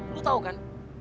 lu tau kan